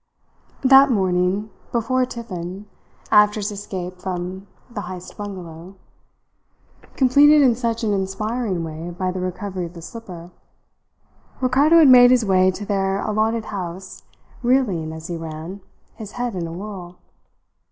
That morning, before tiffin, after his escape from the Heyst bungalow, completed in such an inspiring way by the recovery of the slipper, Ricardo had made his way to their allotted house, reeling as he ran, his head in a whirl.